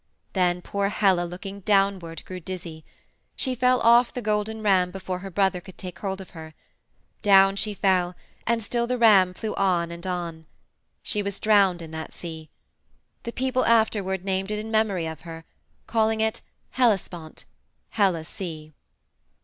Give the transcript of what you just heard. Then poor Helle, looking downward, grew dizzy. She fell off the golden ram before her brother could take hold of her. Down she fell, and still the ram flew on and on. She was drowned in that sea. The people afterward named it in memory of her, calling it 'Hellespont' 'Helle's Sea.'